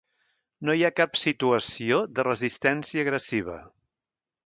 No hi ha cap situació de resistència agressiva.